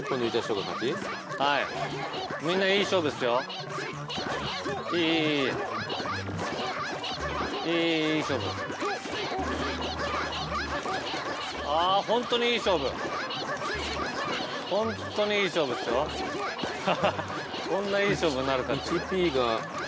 こんないい勝負になるか。